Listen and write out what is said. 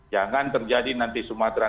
jangan terjadi nanti sumatera